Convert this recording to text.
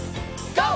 ＧＯ！